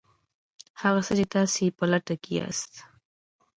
هغه څه چې تاسې یې په لټه کې یاست